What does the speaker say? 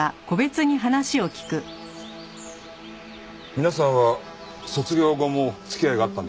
皆さんは卒業後も付き合いがあったんですか？